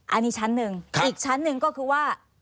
อันนี้ชั้นหนึ่งอีกชั้นหนึ่งก็คือว่า